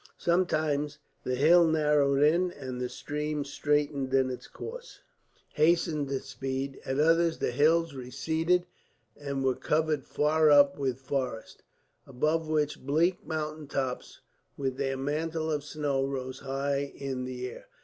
Sometimes the hills narrowed in, and the stream, straitened in its course, hastened its speed; at others the hills receded, and were covered far up with forests; above which bleak mountain tops, with their mantle of snow, rose high in the air.